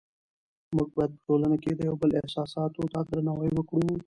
موږ باید په ټولنه کې د یو بل احساساتو ته درناوی وکړو